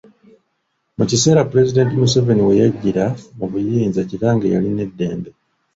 Mu kiseera Pulezidenti Museveni we yajjira mu buyinza kitange yalina eddembe